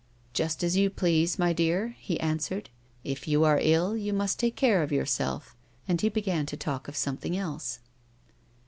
" Just as you please, my dear," he answered. " If you are ill, you must take care of yourself." And he began to talk of something else.